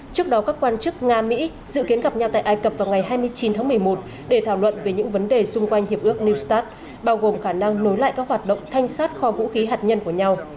trước đó các quan chức nga mỹ dự kiến gặp nhau tại ai cập vào ngày hai mươi chín tháng một mươi một để thảo luận về những vấn đề xung quanh hiệp ước new start bao gồm khả năng nối lại các hoạt động thanh sát kho vũ khí hạt nhân của nhau